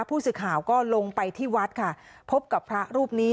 ผู้สื่อข่าวก็ลงไปที่วัดค่ะพบกับพระรูปนี้